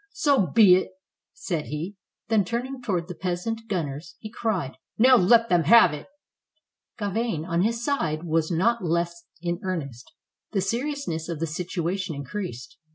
''So be it!" said he. Then turning toward the peasant gun ners, he cried: "Now let them have it!" Gauvain, on his side, was not less in earnest. The seriousness of the situation increased.